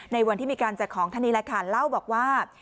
ในวันที่มีการแจกของท่านนี้แหละค่ะเล่าบอกว่า